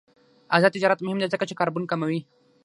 آزاد تجارت مهم دی ځکه چې کاربن کموي.